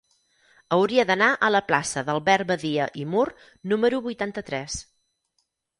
Hauria d'anar a la plaça d'Albert Badia i Mur número vuitanta-tres.